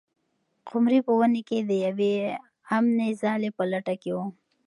قمري په ونې کې د یوې امنې ځالۍ په لټه کې وه.